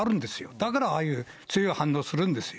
だからああいう強い反応をするんですよ。